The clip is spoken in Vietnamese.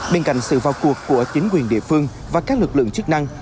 bên cạnh sự vào cuộc của chính quyền địa phương và các lực lượng chức năng